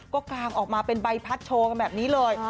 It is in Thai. ก็กางออกมาเป็นใบพัดโชว์กันแบบนี้เลย